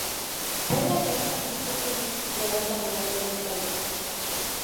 Puede haber hojas más pequeñas situadas a lo largo del tallo.